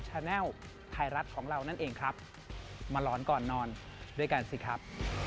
แนลไทยรัฐของเรานั่นเองครับมาหลอนก่อนนอนด้วยกันสิครับ